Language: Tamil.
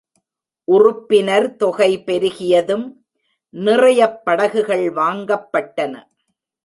உறுப்பினர் தொகை பெருகியதும், நிறையப் படகுகள் வாங்கப்பட்டன.